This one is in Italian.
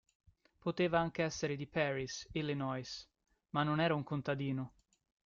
Poteva anche essere di Paris, Illinois, ma non era un contadino!